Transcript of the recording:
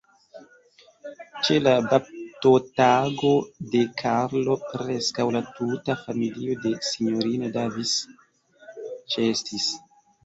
Ĉe la baptotago de Karlo, preskaŭ la tuta familio de Sinjorino Davis ĉeestis.